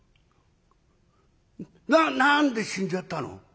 な何で死んじゃったの？